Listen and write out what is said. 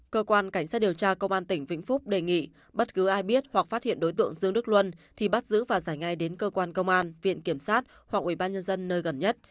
cơ quan cảnh sát điều tra công an tỉnh vĩnh phúc đề nghị bất cứ ai biết hoặc phát hiện đối tượng dương đức luân thì bắt giữ và giải ngay đến cơ quan công an viện kiểm sát hoặc ubnd nơi gần nhất